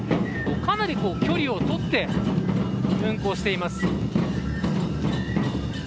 かなり距離をとって運行しています。